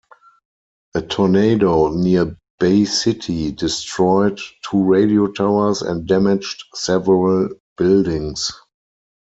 A tornado near Bay City destroyed two radio towers and damaged several buildings.